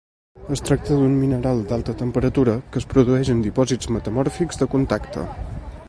Es tracta d'un mineral d'alta temperatura que es produeix en dipòsits metamòrfics de contacte.